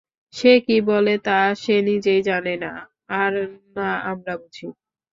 সে কি বলে তা সে নিজেই জানে না, আর না আমরা বুঝি।